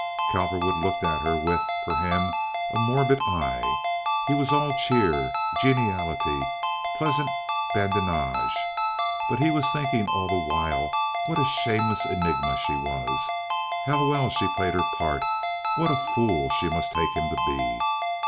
Cowperwood looked at her with—for him—a morbid eye. He was all cheer, geniality, pleasant badinage; but he was thinking all the while what a shameless enigma she was, how well she played her part, what a fool she must take him to be.